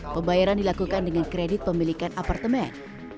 pembayaran dilakukan dengan kredit pemilikan apartemen